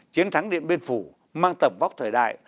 chiến thắng điện biên phủ mang tầm vóc thời đại